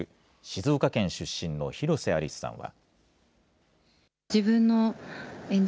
静岡県出身の広瀬アリスさんは。